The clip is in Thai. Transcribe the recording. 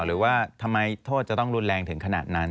หรือว่าทำไมโทษจะต้องรุนแรงถึงขนาดนั้น